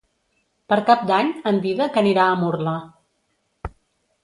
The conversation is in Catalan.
Per Cap d'Any en Dídac anirà a Murla.